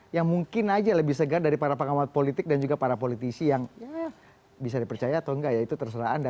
yang mungkin aja lebih segar dari para pengamat politik dan juga para politisi yang bisa dipercaya atau enggak ya itu terserah anda